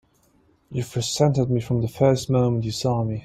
You've resented me from the first moment you saw me!